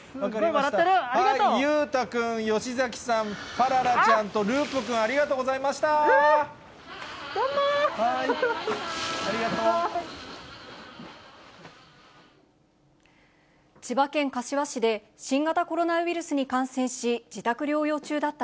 裕太君、吉崎さん、パララちゃんとループくん、ありがとうございました。